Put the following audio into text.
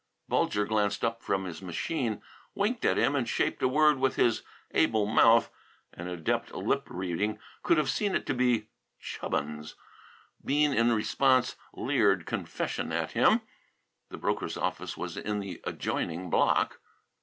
Bulger glanced up from his machine, winked at him and shaped a word with his able mouth. An adept in lip reading could have seen it to be "Chubbins." Bean in response leered confession at him. The broker's office was in the adjoining block.